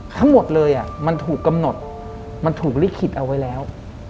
ทั้งหมดเลยมันถูกกำหนดมันถูกลิขิตเอาไว้แล้ว